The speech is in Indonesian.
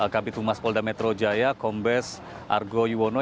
kabit humas polda metro jaya kombes argo yuwono